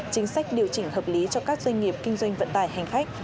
chính sách điều chỉnh hợp lý cho các doanh nghiệp kinh doanh vận tải hành khách